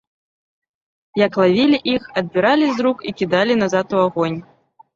Як лавілі іх, адбіралі з рук і кідалі назад у агонь.